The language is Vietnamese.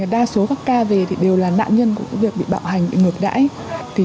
đa số các ca về đều là nạn nhân của việc bị bạo hành bị ngược đãi